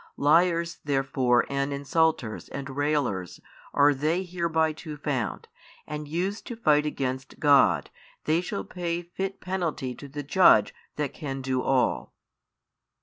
Liars therefore and insulters and railers are they hereby too found, and used to fight against God, they shall pay fit penalty to the Judge That can do all.